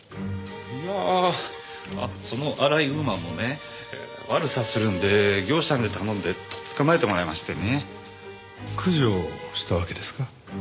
いやあそのアライグマもね悪さするんで業者に頼んで取っ捕まえてもらいましてね。駆除したわけですか？